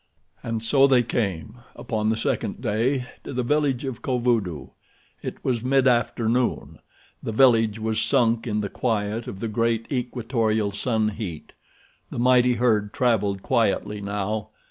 And so they came, upon the second day, to the village of Kovudoo. It was mid afternoon. The village was sunk in the quiet of the great equatorial sun heat. The mighty herd traveled quietly now.